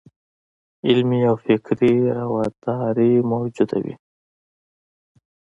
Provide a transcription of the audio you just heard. علمي او فکري راوداري موجوده وي.